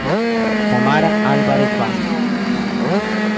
Tamara Álvarez Vázquez.